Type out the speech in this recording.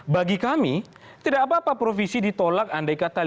bagi kami tidak apa apa provisi ditolak andai kata